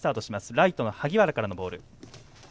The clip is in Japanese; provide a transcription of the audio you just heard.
ライトの萩原からのボール。